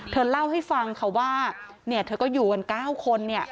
เธอเล่าให้ฟังค่ะว่าเธอก็อยู่กัน๙คน